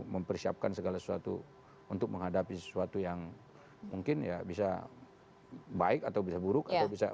mempersiapkan segala sesuatu untuk menghadapi sesuatu yang mungkin ya bisa baik atau bisa buruk atau bisa